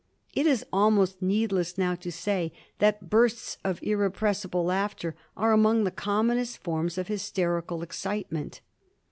It is al most needless now to say that bursts of irrepressible laughter are among the commonest forms of hysterical excitement.